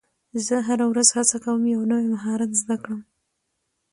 زه هره ورځ هڅه کوم یو نوی مهارت زده کړم